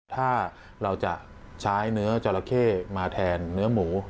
ถ้าเราจะใช้เนื้อจราเข้มาแทนเนื้อหมู